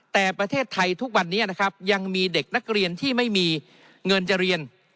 แต่ประเทศไทยทุกวันนี้นะครับยังมีเด็กนักเรียนที่ไม่มีเงินจะเรียน